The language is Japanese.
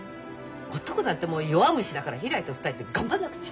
男なんてもう弱虫だからひらりと２人で頑張んなくちゃ。